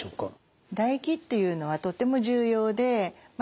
唾液っていうのはとても重要でま